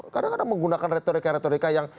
kadang kadang menggunakan retorika retorika yang